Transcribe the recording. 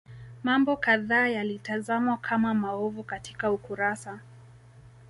Mambo kadhaa yalitazamwa kama maovu katika ukurasa